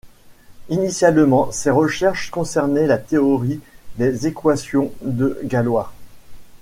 Initialement, ses recherches concernaient la théorie des équations de Galois.